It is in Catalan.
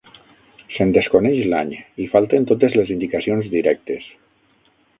Se'n desconeix l'any i falten totes les indicacions directes.